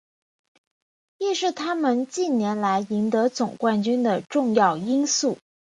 亦是他们近年来赢得总冠军的重要因素。